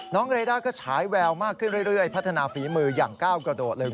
เรด้าก็ฉายแววมากขึ้นเรื่อยพัฒนาฝีมืออย่างก้าวกระโดดเลย